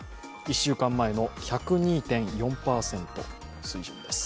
１週間前の１０２．４％。